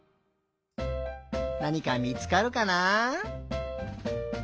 なにかみつかるかな？